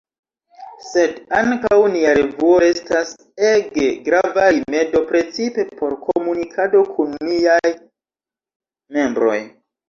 Sed ankaŭ nia revuo restas ege grava rimedo, precipe por komunikado kun niaj membroj.